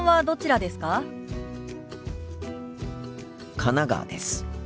神奈川です。